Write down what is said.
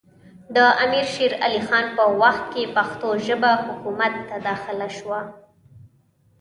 د امیر شېر علي خان په وخت کې پښتو ژبه حکومت ته داخله سوه